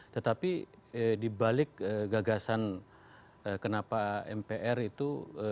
tetapi di balik gagasan kenapa mpr itu